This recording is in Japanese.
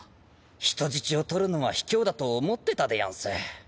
人質を取るのは卑怯だと思ってたでやんす。